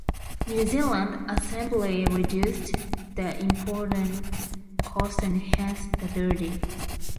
New Zealand assembly reduced the imported cost and hence the duty.